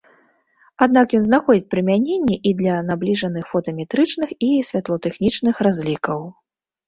Аднак ён знаходзіць прымяненне і для набліжаных фотаметрычных і святлотэхнічных разлікаў.